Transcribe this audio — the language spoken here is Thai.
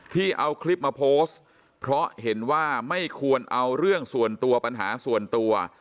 ที่เอาคลิปมาโพสต์เพราะเห็นว่าไม่ควรเอาเรื่องส่วนตัวปัญหาส่วนตัว